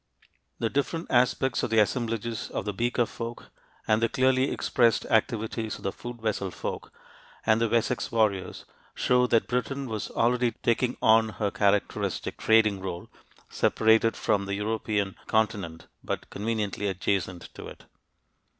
The different aspects of the assemblages of the Beaker folk and the clearly expressed activities of the Food vessel folk and the Wessex warriors show that Britain was already taking on her characteristic trading role, separated from the European continent but conveniently adjacent to it.